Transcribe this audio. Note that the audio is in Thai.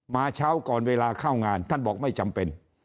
เช้าก่อนเวลาเข้างานท่านบอกไม่จำเป็น